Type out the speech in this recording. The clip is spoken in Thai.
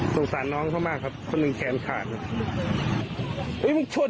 สงสารน้องเขามากครับคนหนึ่งแขนขาดครับ